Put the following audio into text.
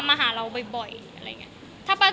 เราเป็นเครื่องสบายประโยชน์